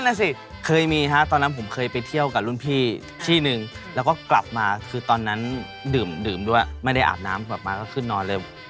นั่นสิเคยมีฮะตอนนั้นผมเคยไปเที่ยวกับรุ่นพี่ที่หนึ่งแล้วก็กลับมาคือตอนนั้นดื่มด้วยไม่ได้อาบน้ำกลับมาก็ขึ้นนอนเลย